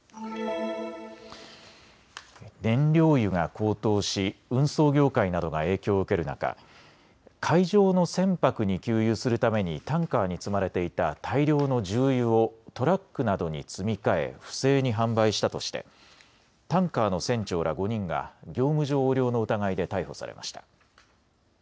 燃料油が高騰し運送業界などが影響を受ける中、海上の船舶に給油するためにタンカーに積まれていた大量の重油をトラックなどに積み替え不正に販売したとしてタンカーの船長ら５人が業務上横領の疑いで逮捕されました。